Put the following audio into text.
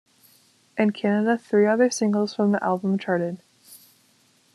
In Canada, three other singles from the album charted.